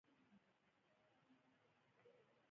باسواده ښځې د چرګانو په فارمونو کې کار کوي.